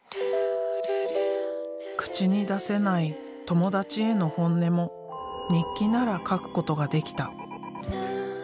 口に出せない友達への本音も日記なら書くことができた。